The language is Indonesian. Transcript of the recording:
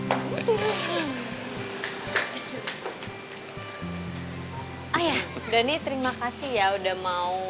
ah ya donny terima kasih ya udah mau